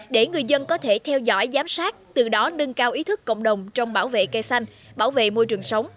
để người dân có thể theo dõi giám sát từ đó nâng cao ý thức cộng đồng trong bảo vệ cây xanh bảo vệ môi trường sống